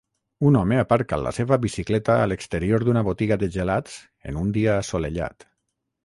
Un home aparca la seva bicicleta a l'exterior d'una botiga de gelats en un dia assolellat.